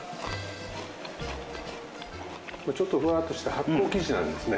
ちょっとふわっとした発酵生地なんですね。